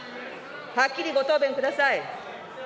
はっきりご答弁ください。